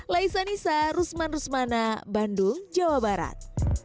laisa nisa rusman rusmana bandung jawa barat